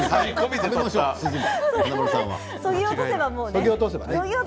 そぎ落とせばね。